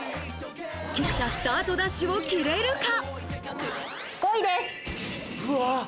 菊田、スタートダッシュをきれるか。